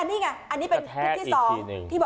ไอ้คันกระบะ